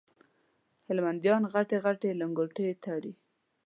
هلمنديان غټي غټي لنګوټې تړي